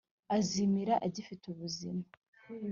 Azimira agifite ubuzima